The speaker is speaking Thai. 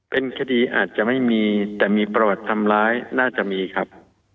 เป็นคดีอาจจะไม่มีแต่มีประวัติทำร้ายน่าจะมีครับ